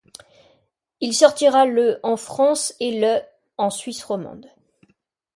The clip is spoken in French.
Il sortira le en France et le en Suisse romande.